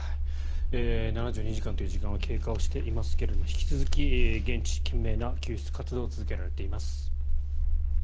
７２時間という時間は経過していますが引き続き現地、懸命な救出活動が続けられています。